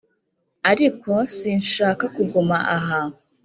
ariko sinshaka kuguma aha